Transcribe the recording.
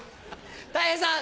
たい平さん。